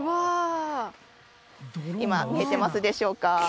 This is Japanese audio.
今、見えてますでしょうか。